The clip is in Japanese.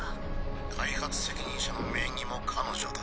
開発責任者の名義も彼女だ。